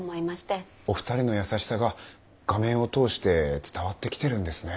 お二人の優しさが画面を通して伝わってきてるんですね。